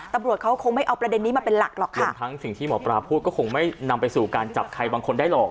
ตำรวจเขาคงไม่เอาประเด็นนี้มาเป็นหลักหรอกค่ะรวมทั้งสิ่งที่หมอปลาพูดก็คงไม่นำไปสู่การจับใครบางคนได้หรอก